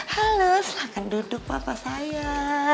halo silahkan duduk papa sayang